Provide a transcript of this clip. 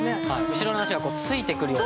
後ろの脚がついてくるような。